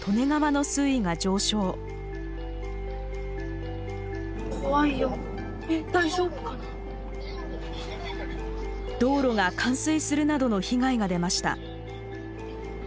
道路が冠水するなどの被害が出ました。